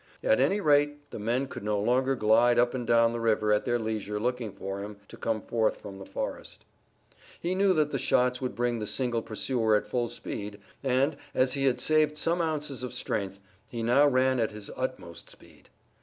At any rate the men could no longer glide up and down the river at their leisure looking for him to come forth from the forest. He knew that the shots would bring the single pursuer at full speed, and, as he had saved some ounces of strength, he now ran at his utmost speed.